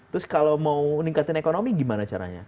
terus kalau mau meningkatkan ekonomi gimana caranya